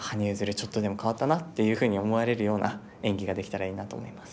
ちょっとでも変わったなっていうふうに思われるような演技ができたらいいなと思います。